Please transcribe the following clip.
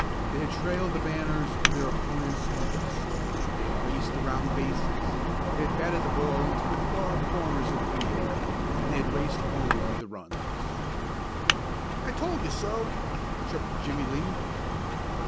They had trailed the banners of their opponents in the dust, they had raced around the bases, they had batted the ball into the far corners of the field, and they had raced home with the runs. "I told you so!" chirped Jimmie Lee.